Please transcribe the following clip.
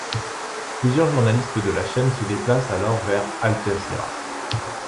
Plusieurs journalistes de la chaîne se déplacent alors vers Al Jazeera.